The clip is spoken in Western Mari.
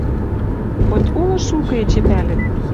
Хоть улы шукы эче пӓлӹк.